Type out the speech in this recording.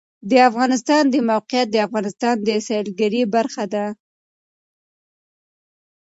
د افغانستان د موقعیت د افغانستان د سیلګرۍ برخه ده.